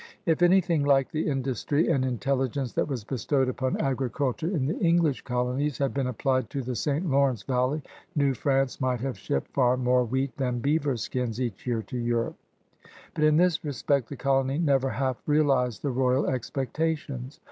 n anything like the industry and inteUigence that was bestowed upon agriculture in the English colonies had been applied to the St. Lawrence valley. New France might have shipped far more wheat than beaver skins each year to Europe. But in this respect the colony never half realized 188 CRUSADERS OF NEW FRANCE the royal expectations.